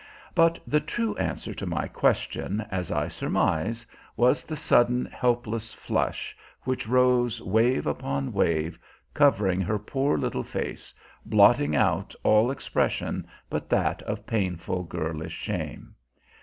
But the true answer to my question, as I surmise, was the sudden, helpless flush which rose, wave upon wave, covering her poor little face, blotting out all expression but that of painful girlish shame.